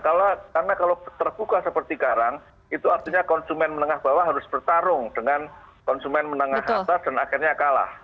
karena kalau terbuka seperti karang itu artinya konsumen menengah bawah harus bertarung dengan konsumen menengah atas dan akhirnya kalah